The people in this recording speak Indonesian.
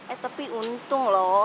eh tapi untung loh